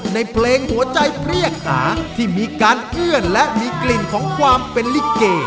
ในเพลงหัวใจเปรี้ยกหาที่มีการเอื้อนและมีกลิ่นของความเป็นลิเก